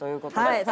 はい。